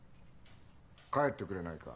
帰ってくれないか？